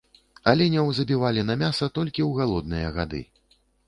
Аленяў забівалі на мяса толькі ў галодныя гады.